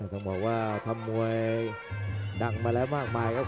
ต้องบอกว่าทำมวยดังมาแล้วมากมายครับ